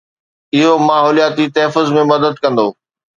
اهو ماحولياتي تحفظ ۾ مدد ڪندو.